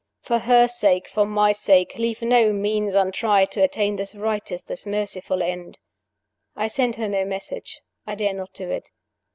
For her sake, for my sake, leave no means untried to attain this righteous, this merciful end. "I send her no message I dare not do it.